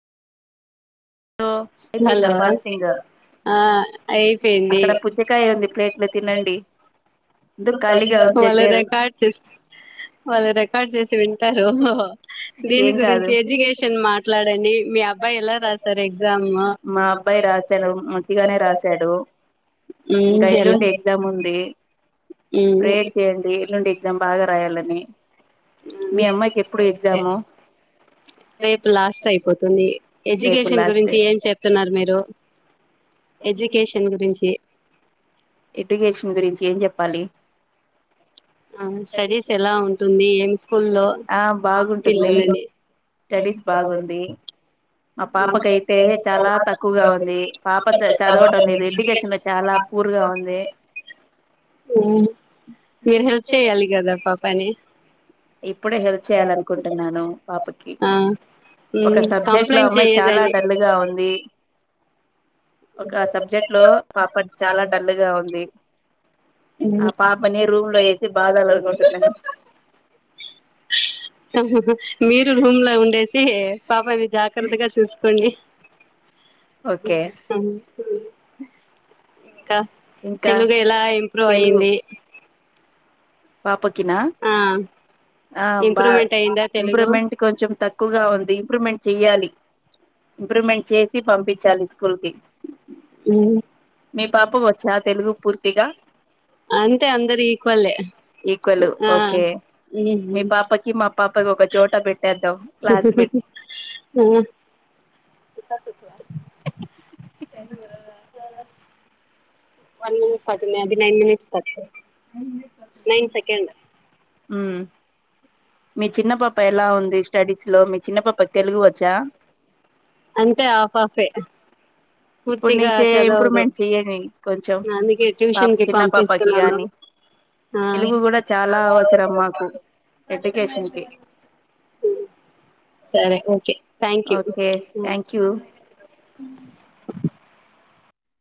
అయిపోయిందా ఫస్ింగ్ ఆ అయిపోయింది వలర కాడ్చ వాళ్ళు రికార్డ్ చేసి వింటారు దీని గురించి ఎడ్యుకేషన్ మాట్లాడడి మీ అబ్బాయిలా రాసారు ఎక్జమ్ అబ్బ ఇ ప్రేర్ చేయండి ఎల్లుండి ఎజాం బాగా రాయాలని అమ్యి రేపు లాస్ట్ అయిపోతుంది ఎడ్యుకేషన్ గురించి ఏం చెప్తున్నారు మీరు ఎడ్యుకేషన్ గురించి ఎడ్యుకేషన్ గురించి ఏం చెప్పాలి ఆ స్టడీస్ ఎలా ఉంటుంది ఆ బాగుంటుంది స్టడీస్ బాగుంది మా పాపకయితే చాలా తక్కువగా ఉంది పాప చదవటం లేదు ఎడ్యుకేషన్ లో చాలా పూర్ గా ఉంది మీరు హెల్ప్ చెయ్యాలి కదా పాపని ఇప్పుడే హెల్ప్ చేయాల అనుకుంటున్నాను పాపకి ఒక సబ్జెక్ట్ ఇట్లో అమ్మాయి చాలా డల్లుగా ఉంది సబ్జెక్ట్ లో మా చ మ రూమ్ లో బా మీరు రూమ్ లో ఉండేసి పాపని జాగ్రత్తగా చూసుకోండి అ ఇంకా తెలుగు ఎలా ఇంప్రూవ్ అయిింది ఆ ఇంప్రూవ్మెంట్ అయి్యందా తెలుగు తక్కుాల ఇంప్లిమెంట్ చే కం చాలించ బాబా అంతే అందరు ఈక్వలే ఆ బబకి మపా ఎ వన్ మనిట్ అది నైన్ మినిట్ మీ చిన్న పాప ఎలా ఉంది స్టడీస్ లో మీ చిన్న పాపకి తెలుగు వచ్చా అంతే ఆఫ్ ఆఫే పూర్తిగా చదవదు అందుకే ట్యూషన్ కి పంపిస్తున్నాను చాలా అవసర సరే okay thank you thank you